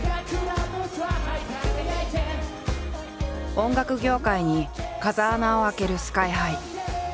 音楽業界に風穴を開けるＳＫＹ−ＨＩ。